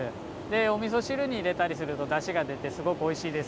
おみそ汁に入れたりすると、だしが出たりして、すごくおいしいです。